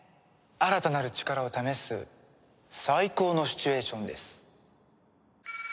新たなる力を試す最高のシチュエーションです。